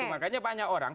makanya banyak orang